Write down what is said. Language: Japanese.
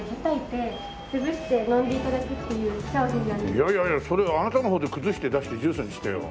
いやいやいやそれあなたの方で崩して出してジュースにしてよ。